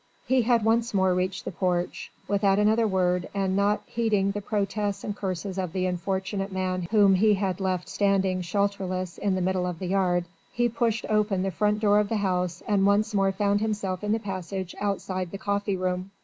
He had once more reached the porch. Without another word, and not heeding the protests and curses of the unfortunate man whom he had left standing shelterless in the middle of the yard, he pushed open the front door of the house and once more found himself in the passage outside the coffee room.